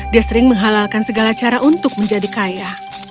dia sering menghalalkan segala cara untuk menjadi kaya